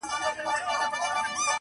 د ابوجهل د غرور په اجاره ختلی.!